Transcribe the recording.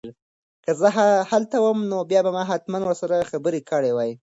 که زه هلته وم نو ما به حتماً ورسره خبرې کړې وای.